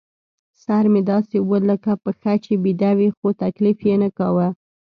سر مې داسې و لکه پښه چې بېده وي، خو تکلیف یې نه کاوه.